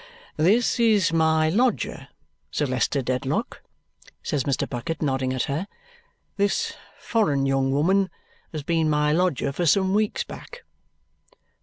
"This is my lodger, Sir Leicester Dedlock," says Mr. Bucket, nodding at her. "This foreign young woman has been my lodger for some weeks back."